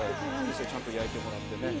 ちゃんと焼いてもらってね。